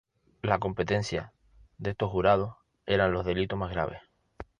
La competencia de estos jurados eran los delitos más graves.